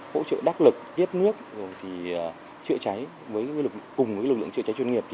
hỗ trợ đắc lực tiết nước chữa cháy với cùng lực lượng chữa cháy chuyên nghiệp